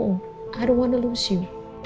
aku gak mau kehilangan kamu